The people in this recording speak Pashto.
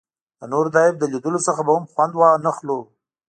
د نورو له عیب له لیدلو څخه به هم خوند وانخلو.